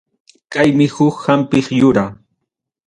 Kaymi huk hampiq yura.